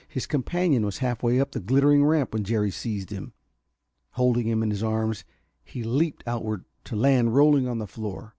His companion was half way up the glittering ramp when Jerry seized him. Holding him in his arms, he leaped outward, to land rolling on the floor.